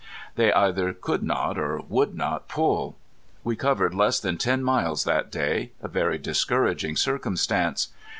They either could not or would not pull. We covered less than ten miles that day, a very discouraging circumstance.